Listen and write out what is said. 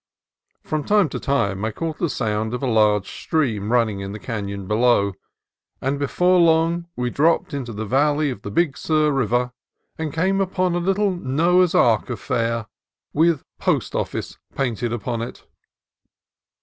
From time to time I caught the sound of a large stream running in the canon below, and before long we dropped into the valley of the Big Sur River and came upon a little Noah's Ark affair, with "Post 208 CALIFORNIA COAST TRAILS Office" painted upon it.